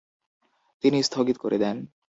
তিনি স্থগিত করে দেন।